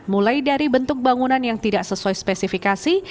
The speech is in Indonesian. mulai dari bentuk bangunan yang tidak sesuai spesifikasi